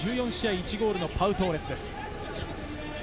１ゴールのパウ・トーレスです。